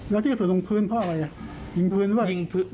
แล้วที่สุดลงพื้นเพราะอะไรอ่ะยิงพื้นหรือเปล่า